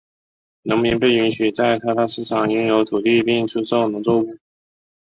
农民被允许在公开市场上拥有土地并出售农作物。